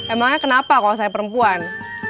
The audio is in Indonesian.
emangnya kenapa kalau saya perempuan